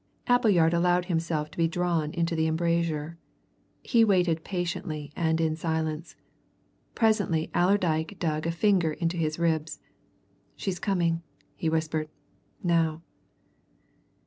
Appleyard allowed himself to be drawn into the embrasure. He waited patiently and in silence presently Allerdyke dug a finger into his ribs. "She's coming!" he whispered. "Now!"